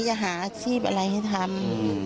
จะหาอาชีพอะไรให้ทำ